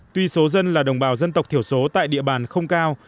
tuy số dân là đồng bào dân tộc thiểu số tại địa bàn không cao